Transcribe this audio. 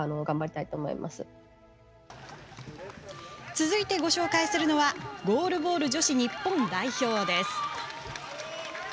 続いて、ご紹介するのはゴールボール女子日本代表です。